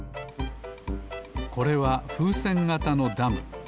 これはふうせんがたのダム。